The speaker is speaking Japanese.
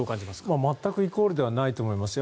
全くイコールではないと思います。